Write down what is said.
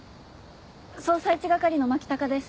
捜査一係の牧高です。